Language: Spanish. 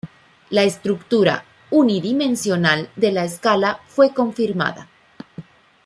La estructura unidimensional de la escala fue confirmada.